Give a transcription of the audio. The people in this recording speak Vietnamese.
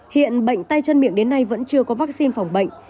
hiện bệnh tay chân miệng đến nay vẫn chưa có vaccine phòng bệnh